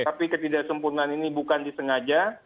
tapi ketidaksempurnaan ini bukan disengaja